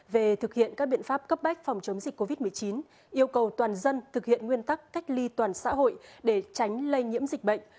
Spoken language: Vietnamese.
về thực hiện các biện pháp cấp bách phòng chống dịch covid một mươi chín yêu cầu toàn dân thực hiện nguyên tắc cách ly toàn xã hội để tránh lây nhiễm dịch bệnh